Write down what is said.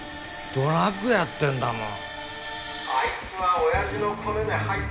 ドラッグやってんだもん。